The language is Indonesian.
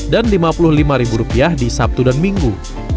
dan rp lima puluh lima di sabtu dan minggu